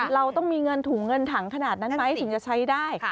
เราต้องมีเงินถุงเงินถังขนาดนั้นไหมถึงจะใช้ได้